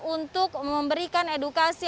untuk memberikan edukasi